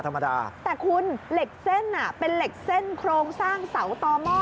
ธรรมดาแต่คุณเหล็กเส้นเป็นเหล็กเส้นโครงสร้างเสาต่อหม้อ